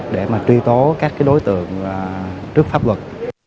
để mà truy tố các đối tượng trước pháp luật